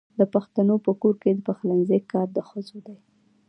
د پښتنو په کور کې د پخلنځي کار د ښځو دی.